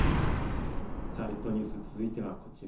さあ、列島ニュース続いてはこちら。